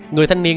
người thanh niên